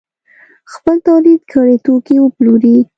خپل تولید کړي توکي وپلوري.